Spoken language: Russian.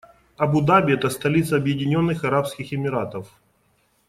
Абу-Даби - это столица Объединённых Арабских Эмиратов.